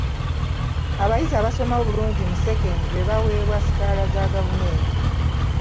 Abayizi abasoma obulungi mu sekendule baweebwa sikaala za gavumenti.